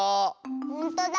ほんとだ。